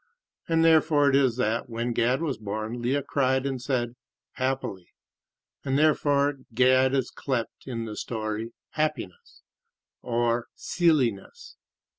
And therefore it is that, when Gad was born, Leah cried and said: "Happily"; and therefore Gad is cleped in the story "Happiness," or "Seeliness."